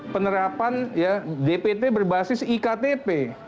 penerapan dpt berbasis iktp